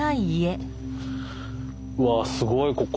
うわすごいここ。